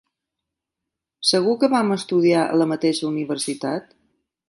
Segur que vam estudiar a la mateixa universitat?